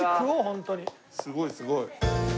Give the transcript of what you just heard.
すごいすごい。